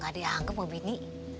gak dianggep mau bini